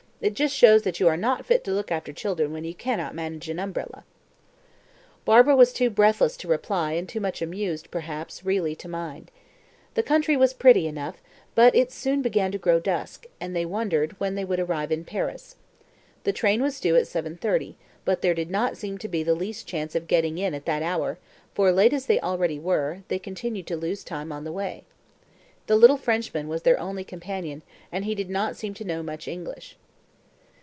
It just shows that you are not fit to look after children when you cannot manage an umbrella!" Barbara was too breathless to reply and too much amused, perhaps, really to mind. The country was pretty enough, but it soon began to grow dusk, and they wondered when they would arrive in Paris. The train was due at 7.30, but there did not seem to be the least chance of getting in at that hour, for, late as they already were, they continued to lose time on the way. The little Frenchman was their only companion, and he did not seem to know much English.